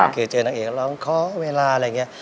เคยเจอนางเอกร้องขอเวลาอะไรอย่างนี้